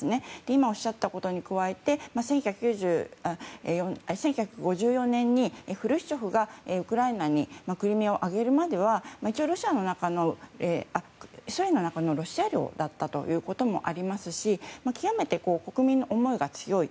今、おっしゃったことに加えて１９５４年にフルシチョフがウクライナにクリミアをあげるまでは一応、ソ連の中のロシア領だったということもありますしきわめて国民の思いが強い。